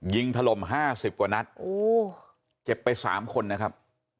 ถล่มห้าสิบกว่านัดเจ็บไปสามคนนะครับ